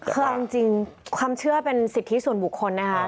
คือเอาจริงความเชื่อเป็นสิทธิส่วนบุคคลนะคะ